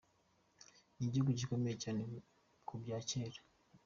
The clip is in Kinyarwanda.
'Igihugu gikomeye cyane ku bya kera'.